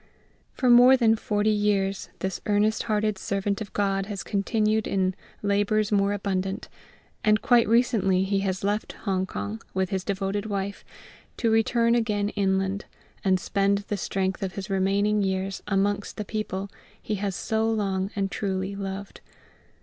For more than forty years this earnest hearted servant of GOD has continued in "labours more abundant"; and quite recently he has left Hong kong, with his devoted wife, to return again inland, and spend the strength of his remaining years amongst the people he has so long and truly loved.